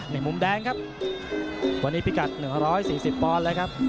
ในมุมแดงวันนี้พิกัด๑๔๐ปอนด์นะครับ